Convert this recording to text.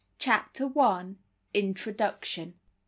CHAPTER I. INTRODUCTION.